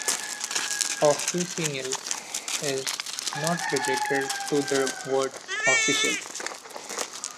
"Officinal" is not related to the word "official".